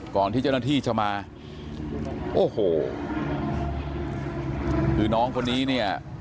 ก่อนที่เจ้าหน้าที่จะมาโอ้โหคือน้องคนนี้เนี่ย